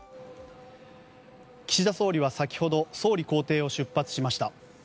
岸田総理は、先ほど総理公邸を出発しました。